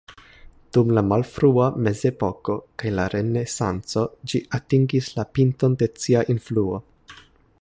Dum la malfrua mezepoko kaj la renesanco ĝi atingis la pinton de sia influo.